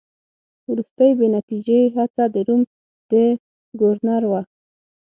وروستۍ بې نتیجې هڅه د روم د ګورنر وه.